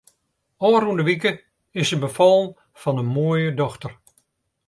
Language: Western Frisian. Ofrûne wike is se befallen fan in moaie dochter.